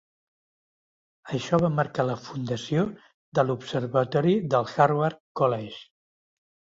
Això va marcar la fundació de l'Observatori del Harvard College.